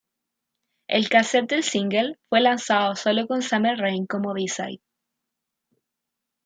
El casete del single fue lanzado sólo con "Summer Rain" como B-side.